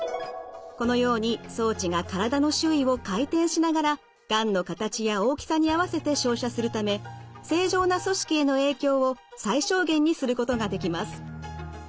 このように装置が体の周囲を回転しながらがんの形や大きさに合わせて照射するため正常な組織への影響を最小限にすることができます。